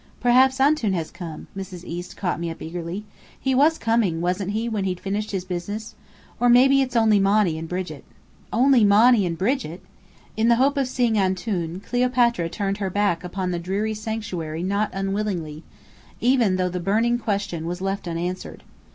"Perhaps Antoun has come!" Mrs. East caught me up eagerly. "He was coming, wasn't he, when he'd finished his business? Or maybe it's only Monny and Brigit." "Only Monny and Brigit!" In the hope of seeing Antoun, Cleopatra turned her back upon the dreary sanctuary not unwillingly, even though the burning question was left unanswered.